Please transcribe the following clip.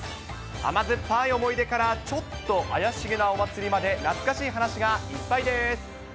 甘酸っぱい思い出から、ちょっと怪しげなお祭りまで、懐かしい話がいっぱいでーす。